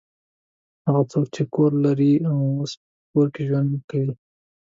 هغه څوک چې کور لري اوس په کور کې ژوند کوي.